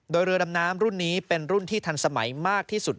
โดยเรือดำน้ำรุ่นนี้เป็นรุ่นที่ทันสมัยมากที่สุด